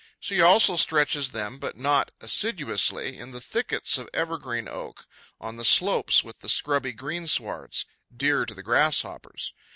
She also stretches them, but not assiduously, in the thickets of evergreen oak, on the slopes with the scrubby greenswards, dear to the Grasshoppers.